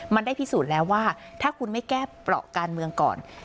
มันได้พิสูจน์แล้วว่าถ้าคุณไม่แก้เปราะการเมืองก่อน